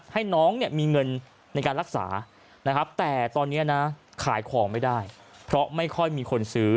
ให้น้องมีเงินในการรักษาแต่ตอนนี้ขายของไม่ได้เพราะไม่ค่อยมีคนสือ